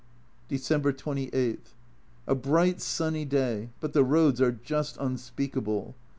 December 28. A bright sunny day, but the roads are just unspeakable.